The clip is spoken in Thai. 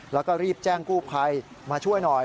เราก็รีบแจ้งคู่ไภมาช่วยหน่อย